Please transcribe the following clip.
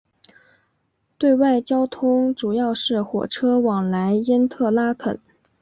对外交通主要是火车往来因特拉肯。